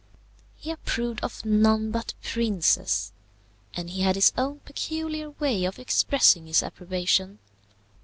He approved of none but princes, and he had his own peculiar way of expressing his approbation.